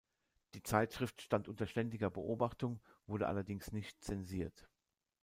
Die Zeitschrift stand unter ständiger Beobachtung, wurde allerdings nicht zensiert.